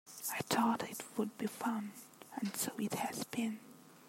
I thought it would be fun. And so it has been.